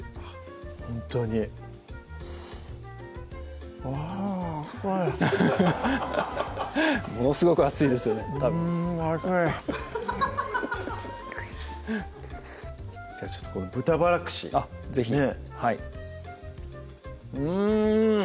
ほんとにあぁ熱いものすごく熱いですよねうん熱いじゃあちょっとこの豚バラ串是非はいうん！